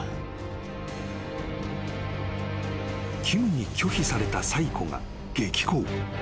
［キムに拒否されたサイコが激高］